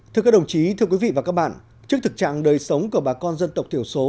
thưa các đồng chí thưa quý vị và các bạn trước thực trạng đời sống của bà con dân tộc thiểu số